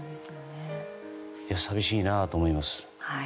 寂しいなと思います。